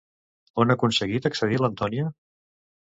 On ha aconseguit accedir l'Antònia?